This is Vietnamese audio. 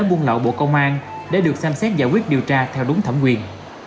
buôn lậu bộ công an để được xem xét giải quyết điều tra theo đúng thẩm quyền